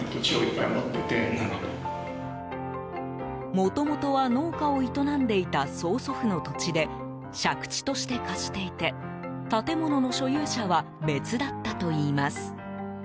もともとは農家を営んでいた曽祖父の土地で借地として貸していて建物の所有者は別だったといいます。